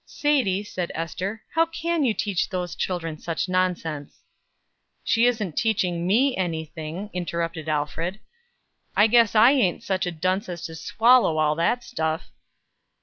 "Sadie," said Ester, "how can you teach those children such nonsense?" "She isn't teaching me any thing," interrupted Alfred. "I guess I ain't such a dunce as to swallow all that stuff."